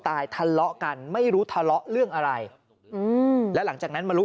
ทะเลาะกันไม่รู้ทะเลาะเรื่องอะไรอืมแล้วหลังจากนั้นมารู้